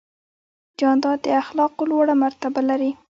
جانداد د اخلاقو لوړه مرتبه لري.